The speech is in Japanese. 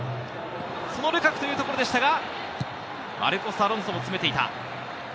そのルカクというところでしたが、マルコス・アロンソも詰めていた。